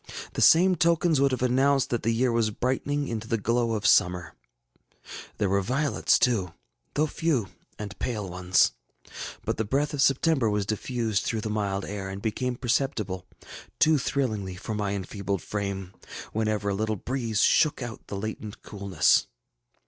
The same tokens would have announced that the year was brightening into the glow of summer. There were violets too, though few and pale ones. But the breath of September was diffused through the mild air, and became perceptible, too thrillingly for my enfeebled frame, whenever a little breeze shook out the latent coolness.